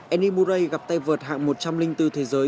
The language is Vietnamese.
eni murray gặp tay vượt hạng một trăm linh bốn thế giới